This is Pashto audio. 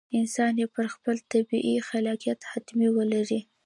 انسان یې پر خپل طبیعي خلاقیت حتمي ولري.